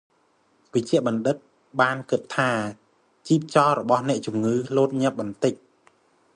វេជ្ជបណ្ឌិតបានគិតថាជីពចររបស់អ្នកជំងឺលោតញាប់បន្តិច។